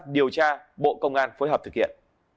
điều tra bộ công an phối hợp thực hiện